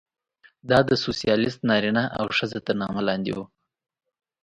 دا د سوسیالېست نارینه او ښځه تر نامه لاندې وه.